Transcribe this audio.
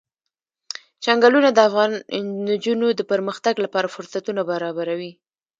چنګلونه د افغان نجونو د پرمختګ لپاره فرصتونه برابروي.